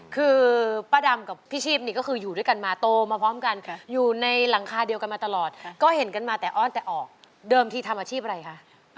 คือป้าดำกับพี่ชีพนี่ก็คืออยู่ด้วยกันมาโตมาพร้อมกันอยู่ในหลังคาเดียวกันมาตลอดก็เห็นกันมาแต่อ้อนแต่ออกเดิมทีทำอาชีพอะไรคะ